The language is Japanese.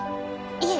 いえ！